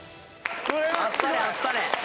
あっぱれあっぱれ！